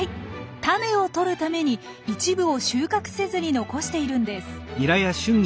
タネをとるために一部を収穫せずに残しているんです。